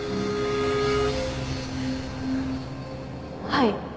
はい。